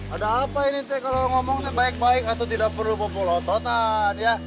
ada apa ini teh kalau ngomong baik baik atau tidak perlu pepulototan ya